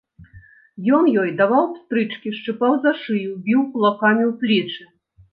Ён ёй даваў пстрычкі, шчыпаў за шыю, біў кулакамі ў плечы.